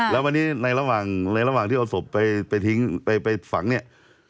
แล้ววันนี้ในระหว่างในระหว่างที่เอาศพไปทิ้งไปฝังเนี่ย